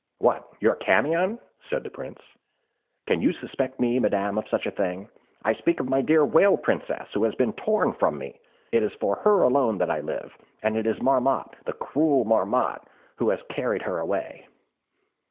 "What, your Camion?" said the Prince: "can you suspect me, Madam, of such a thing? I speak of my dear Whale Princess who has been torn from me; it is for her alone that I live, and it is Marmotte, the cruel Marmotte, who has carried her away!"